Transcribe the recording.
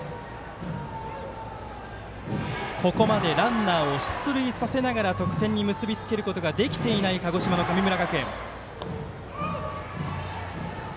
ここまでランナーを出塁させながら得点に結びつけることができていない鹿児島の神村学園。